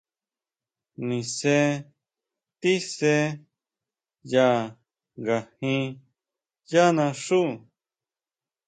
Nise tíse ya ngajín yá naxú.